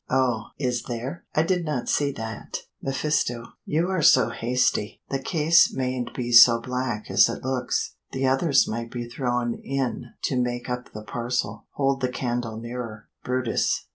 "Oh! is there? I did not see that." mephisto. "You are so hasty. The case mayn't be so black as it looks. The others might be thrown in to make up the parcel. Hold the candle nearer. brutus.